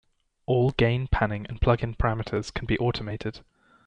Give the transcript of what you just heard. All gain, panning and plug-in parameters can be automated.